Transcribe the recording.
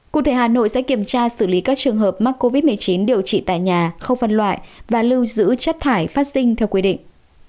cụ thể hà nội sẽ kiểm tra xử lý các trường hợp mắc covid một mươi chín điều trị tại nhà không phân loại và lưu giữ chất thải phát sinh theo quy định